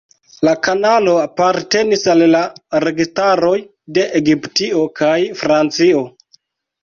La kanalo apartenis al la registaroj de Egiptio kaj Francio.